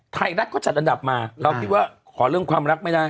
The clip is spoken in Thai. ไทยรัฐก็จัดอันดับมาเราคิดว่าขอเรื่องความรักไม่ได้